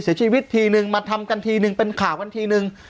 เสียชีวิตทีนึงมาทำกันทีนึงเป็นข่าวกันทีนึง